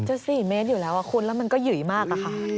๔เมตรอยู่แล้วคุณแล้วมันก็หยุยมากอะค่ะ